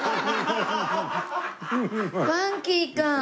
ファンキーか！